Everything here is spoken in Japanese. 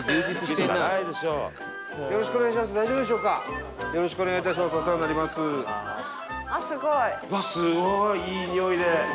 うわっすごいいいにおいで。